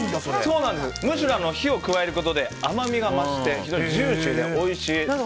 むしろ、火を加えることで甘みが増して非常にジューシーでおいしいです。